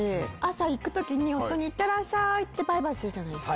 行く時いってらっしゃい！ってバイバイするじゃないですか。